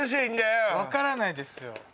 分からないですよ。